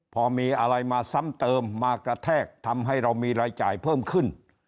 พอมีอะไรมาซ้ำเติมมากระแทกทำให้เรามีรายจ่ายเพิ่มขึ้น